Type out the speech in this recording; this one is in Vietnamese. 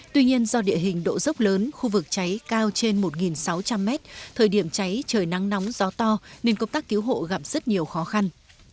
tuy nhiên do địa hình độ dốc lớn khu vực cháy cao trên một sáu trăm linh mét thời điểm cháy trời nắng nóng gió to nên công tác cứu hộ gặp rất nhiều khó khăn